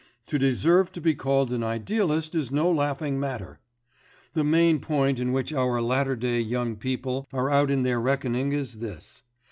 To deserve to be called an idealist is no laughing matter! The main point in which our latter day young people are out in their reckoning is this.